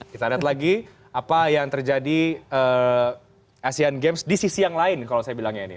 kita lihat lagi apa yang terjadi asean games di sisi yang lain kalau saya bilangnya ini